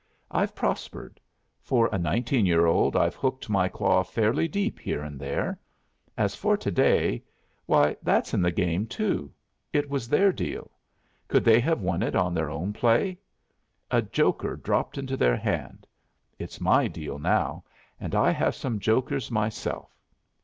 "I've prospered. For a nineteen year old I've hooked my claw fairly deep here and there. As for to day why, that's in the game too. It was their deal. Could they have won it on their own play? A joker dropped into their hand. It's my deal now, and I have some jokers myself.